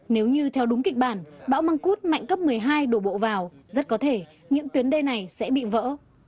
nếu như theo đúng kịch bản bão măng cút mạnh cấp một mươi hai đổ bộ vào rất có thể những tuyến đê này sẽ bị vỡ